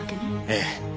ええ。